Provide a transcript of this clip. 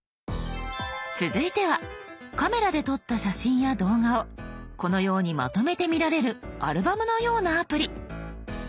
続いてはカメラで撮った写真や動画をこのようにまとめて見られるアルバムのようなアプリ。